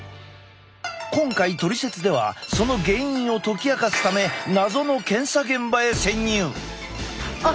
今回「トリセツ」ではその原因を解き明かすため謎の検査現場へ潜入！